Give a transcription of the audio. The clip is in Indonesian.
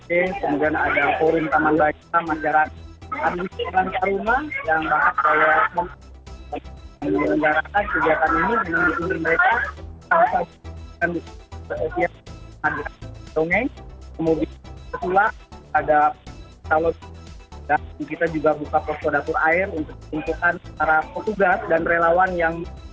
kita juga buka posturatur air untuk menentukan para petugas dan relawan yang melakukan tugasnya